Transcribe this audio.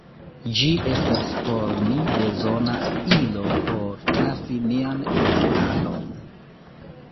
Ĝi estas por ni bezona ilo por trafi nian idealon.